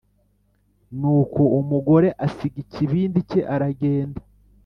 Nuko uwo mugore asiga ikibindi cye aragenda